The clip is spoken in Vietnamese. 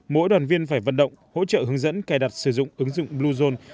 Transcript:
mỗi đoàn viên phải vận động hỗ trợ hướng dẫn cài đặt sử dụng ứng dụng bluezone